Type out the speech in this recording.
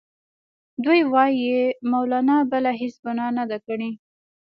دوی وايي مولنا بله هیڅ ګناه نه ده کړې.